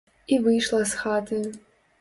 І выйшла з хаты.